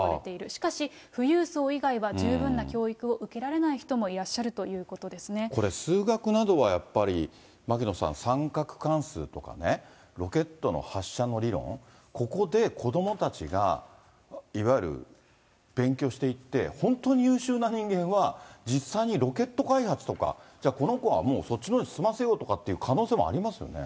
しかし、富裕層以外は十分な教育を受けられない人もいらっしゃるというここれ、数学などはやっぱり、牧野さん、三角関数とかね、ロケットの発射の理論、ここで子どもたちが、いわゆる、勉強していって、本当に優秀な人間は実際にロケット開発とか、じゃあ、この子はもう、そっちのほうに進ませようっていう可能性もありますよね。